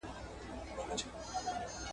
زه کولای سم مرسته وکړم!؟